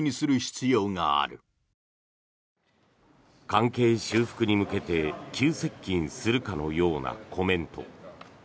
関係修復に向けて急接近するかのようなコメント。